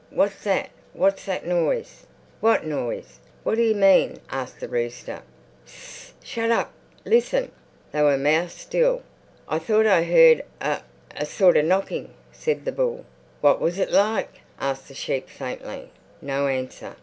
"What's that? What's that noise?" "What noise? What do you mean?" asked the rooster. "Ss! Shut up! Listen!" They were mouse still. "I thought I heard a—a sort of knocking," said the bull. "What was it like?" asked the sheep faintly. No answer.